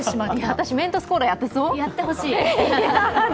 私、メントスコーラ、やってそう？